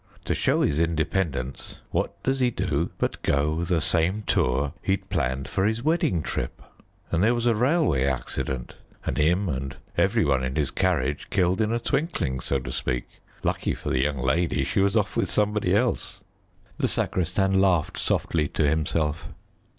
To show his independence, what does he do but go the same tour he'd planned for his wedding trip. And there was a railway accident, and him and every one in his carriage killed in a twinkling, so to speak. Lucky for the young lady she was off with somebody else." The sacristan laughed softly to himself.